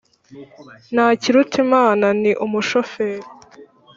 ntakirutimana ni umushoferi